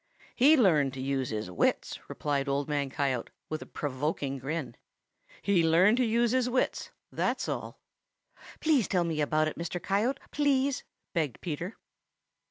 "He learned to use his wits," replied Old Man Coyote, with a provoking grin. "He learned to use his wits, that's all." "Please tell me about it, Mr. Coyote. Please," begged Peter.